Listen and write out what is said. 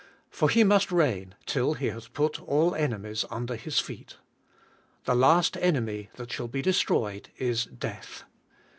For He must reign till He hath put all enemies under His feet. The last enemy that shall be destroyed is death.